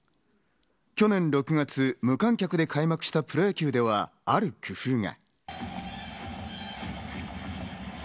去年６月無観客で開幕したプロ野球では、ある工夫が。